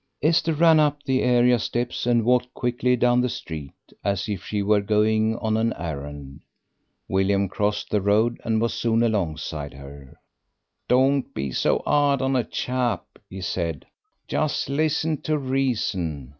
Esther ran up the area steps and walked quickly down the street, as if she were going on an errand. William crossed the road and was soon alongside of her. "Don't be so 'ard on a chap," he said. "Just listen to reason."